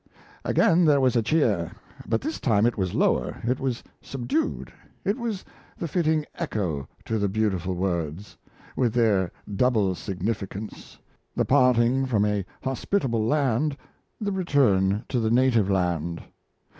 Again there was a cheer: but this time it was lower; it was subdued; it was the fitting echo to the beautiful words with their double significance the parting from a hospitable land, the return to the native land.